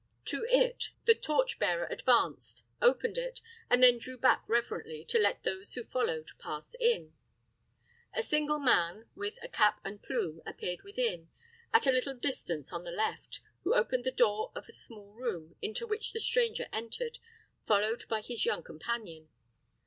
To it the torch bearer advanced, opened it, and then drew back reverently to let those who followed pass in. A single man, with a cap and plume, appeared within, at a little distance on the left, who opened the door of a small room, into which the stranger entered, followed by his young companion.